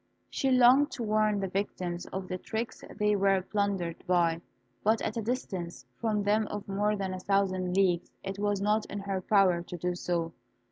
She longed to warn the victims of the tricks they were plundered by; but at a distance from them of more than a thousand leagues it was not in her power to do so.